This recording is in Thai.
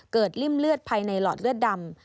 ริ่มเลือดภายในหลอดเลือดดำ